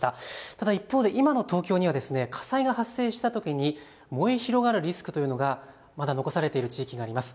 ただ一方で今の東京には火災が発生したときに燃え広がるリスクというのがまだ残されている地域があります。